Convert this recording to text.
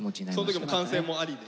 その時も歓声もありで？